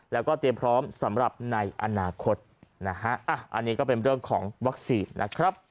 แล้วก็เตรียมพร้อมสำหรับในอนาคตนะฮะอันนี้ก็เป็นเรื่องของวัคซีนนะครับ